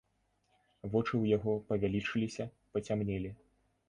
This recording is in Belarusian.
Вочы ў яго павялічыліся, пацямнелі.